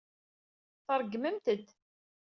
Tṛeggmemt-d.